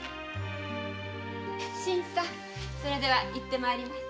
それでは行って参ります。